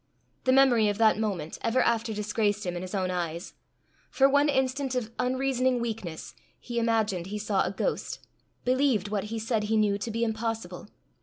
The memory of that moment ever after disgraced him in his own eyes: for one instant of unreasoning weakness, he imagined he saw a ghost believed what he said he knew to be impossible.